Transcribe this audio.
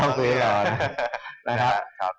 ต้องซื้อลอง